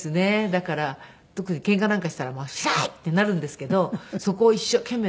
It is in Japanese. だから特にケンカなんかしたらもう知らないってなるんですけどそこを一生懸命ね。